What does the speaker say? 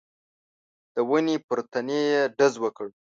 د ونې پر تنې يې ډز وکړ.